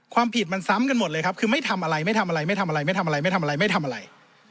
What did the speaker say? ความผิดมันซ้ำกันหมดเลยครับคือไม่ทำอะไรไม่ทำอะไรไม่ทำอะไรไม่ทำอะไรไม่ทำอะไรไม่ทำอะไร